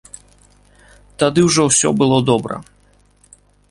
Тады ўжо ўсё было добра.